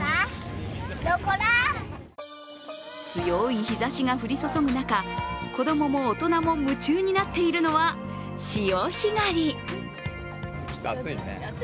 強い日ざしが降り注ぐ中、子供も大人も夢中になっているのは潮干狩り。